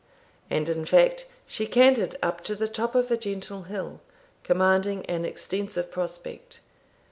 And in fact, she cantered up to the top of a gentle hill, commanding an extensive prospect.